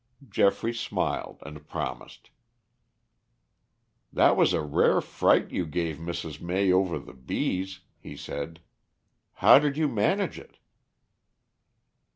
Geoffrey smiled and promised. "That was a rare fright you gave Mrs. May over the bees," he said. "How did you manage it?"